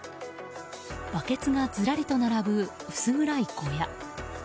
バケツがずらりと並ぶ薄暗い小屋。